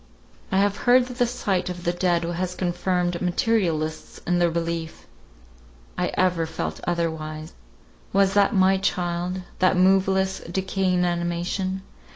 I have heard that the sight of the dead has confirmed materialists in their belief. I ever felt otherwise. Was that my child—that moveless decaying inanimation?